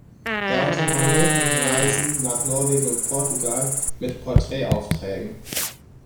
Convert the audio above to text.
Er unternahm mehrere Reisen nach Norwegen und Portugal mit Porträt-Aufträgen.